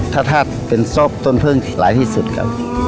ธาตุเป็นซอบต้นพึ่งหลายที่สุดครับ